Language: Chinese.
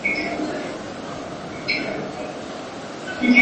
幼鱼常溯河入淡水河川。